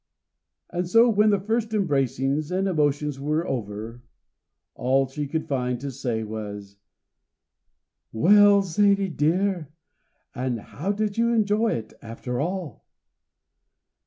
And so when the first embracings and emotions were over, all she could find to say was: "Well, Zaidie dear, and how did you enjoy it, after all?"